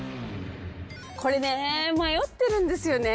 これね迷ってるんですよね。